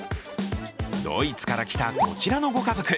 ドイツから来た、こちらのご家族。